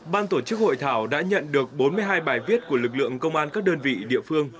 ban tổ chức hội thảo đã nhận được bốn mươi hai bài viết của lực lượng công an các đơn vị địa phương